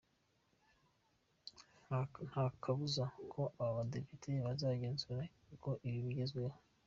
Nta kabuza ko aba badepite bazagenzura ko ibi bigerwaho.